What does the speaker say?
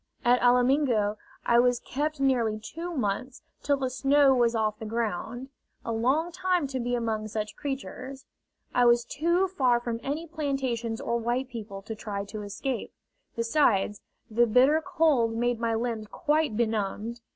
At Alamingo I was kept nearly two months, till the snow was off the ground a long time to be among such creatures! I was too far from any plantations or white people to try to escape; besides, the bitter cold made my limbs quite benumbed.